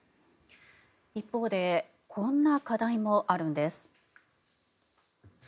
一方でこんな課題もあるんです。